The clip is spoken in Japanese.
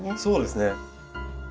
そうですね。